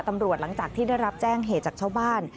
หลังจากที่ได้รับแจ้งเหตุจากชาวบ้าน